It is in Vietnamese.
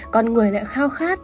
con người lại khao khát